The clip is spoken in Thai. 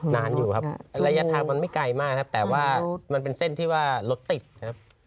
นานอยู่ครับระยะทางมันไม่ไกลมากครับแต่ว่ามันเป็นเส้นที่ว่ารถติดครับ